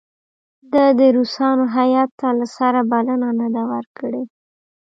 ده د روسانو هیات ته له سره بلنه نه ده ورکړې.